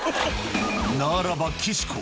ならば岸子！